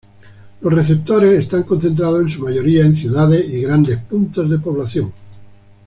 Los receptores están concentrados, en su mayoría, en ciudades y grandes puntos de población.